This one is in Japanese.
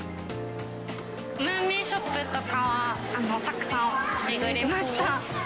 ムーミンショップとかは、たくさん巡りました。